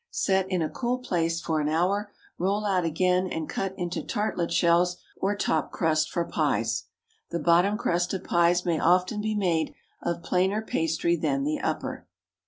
Set in a cool place for an hour, roll out again, and cut into tartlet shells or top crust for pies. The bottom crust of pies may often be made of plainer pastry than the upper.